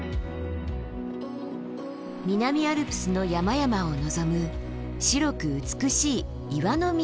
南アルプスの山々を望む白く美しい岩の峰々です。